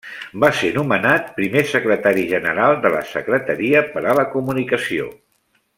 Va ser nomenat primer Secretari General de la Secretaria per a la Comunicació.